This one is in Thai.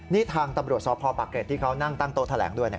นี่ทางตำรวจสพปะเกร็ดที่เขานั่งตั้งโต๊ะแถลงด้วย